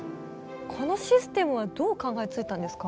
このシステムはどう考えついたんですか？